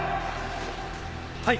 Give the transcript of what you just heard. はい！